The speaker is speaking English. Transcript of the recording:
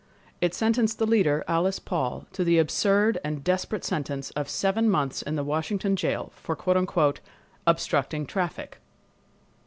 It sentenced the leader, Alice Paul, to the absurd and desperate sentence of seven months in the Washington jail for "obstructing traffic."